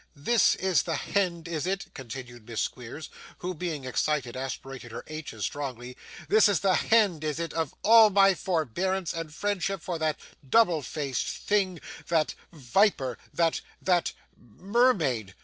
'This is the hend, is it?' continued Miss Squeers, who, being excited, aspirated her h's strongly; 'this is the hend, is it, of all my forbearance and friendship for that double faced thing that viper, that that mermaid?